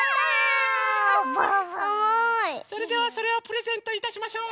それではそれをプレゼントいたしましょう。